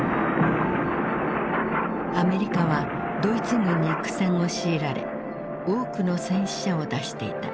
アメリカはドイツ軍に苦戦を強いられ多くの戦死者を出していた。